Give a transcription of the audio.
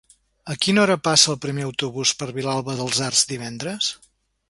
A quina hora passa el primer autobús per Vilalba dels Arcs divendres?